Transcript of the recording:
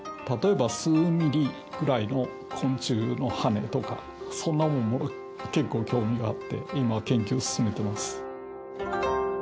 例えば数ミリくらいの昆虫のハネとかそんなものも結構興味があって今研究を進めてます。